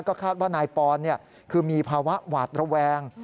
ก็คาดว่านายปอนคือมีภาวะหวาดระแวง